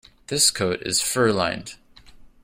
This coat is fur-lined.